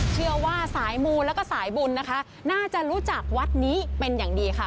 เชื่อว่าสายมูลแล้วก็สายบุญนะคะน่าจะรู้จักวัดนี้เป็นอย่างดีค่ะ